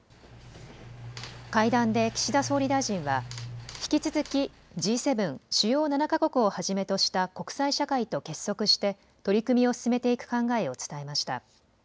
会談で岸田総理大臣は引き続きＧ７・主要７か国をはじめとした国際社会と結束して取り組みを進めていく考えを伝えました。